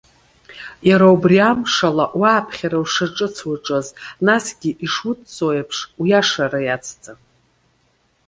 Иара убри амшала, уааԥхьара ушаҿыц уаҿыз, насгьы ишуыдҵо еиԥш уиашара иацҵа.